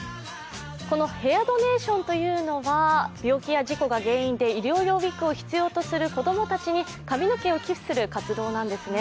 このヘアドネーションというのは病気や事故が原因で医療用ウイッグを必要とする子供たちに髪の毛を寄付する活動なんですね。